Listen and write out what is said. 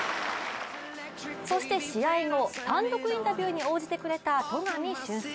そして試合後単独インタビューに応じてくれた戸上隼輔。